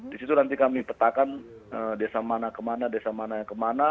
di situ nanti kami petakan desa mana kemana desa mana yang kemana